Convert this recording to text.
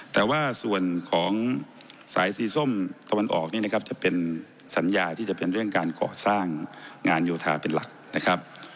แต่ว่าส่วนของสายสีส้มตะวันออกนี่นะครับจะเป็นสัญญาที่จะเป็นเรื่องการก่อสร้างงานโยธาเป็นหลักนะครับ